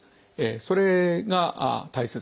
それが大切です。